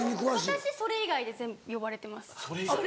私それ以外で全部呼ばれてます。